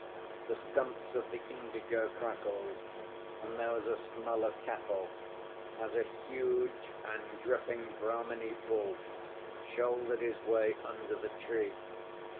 The stumps of the indigo crackled, and there was a smell of cattle, as a huge and dripping Brahminee bull shouldered his way under the tree.